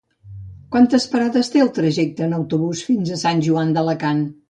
Quantes parades té el trajecte en autobús fins a Sant Joan d'Alacant?